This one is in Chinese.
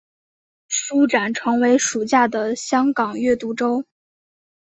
书展成为暑期的香港阅读周。